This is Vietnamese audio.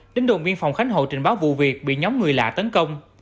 đến đồn biên phòng khánh hội trình báo vụ việc bị nhóm người lạ tấn công